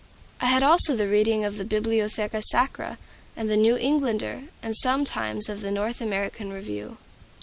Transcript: I had also the reading of the "Bibliotheca Sacra" and the "New Englander;" and sometimes of the "North American Review."